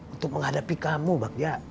untuk menghadapi kamu mbak ja